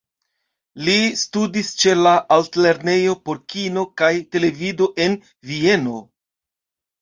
Li studis ĉe la Altlernejo por Kino kaj Televido en Vieno.